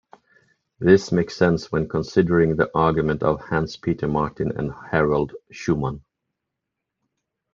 This makes sense when considering the argument of Hans-Peter Martin and Harald Schumann.